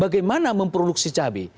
bagaimana memproduksi cabai